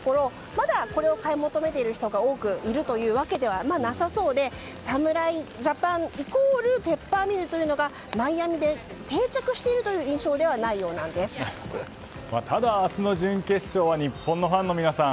まだこれを買い求めている人が多くいるというわけではなさそうで侍ジャパンイコールペッパーミルというのがマイアミで定着しているというただ、明日の準決勝は日本のファンの皆さん